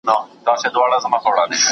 کوچنی ماشوم د کړکۍ خواته ولاړ و.